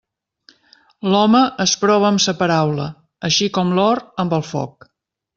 L'home es prova amb sa paraula, així com l'or amb el foc.